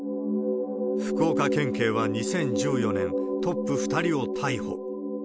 福岡県警は２０１４年、トップ２人を逮捕。